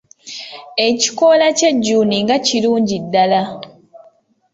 Ekikoola ky'ejjuuni nga kirungi ddala.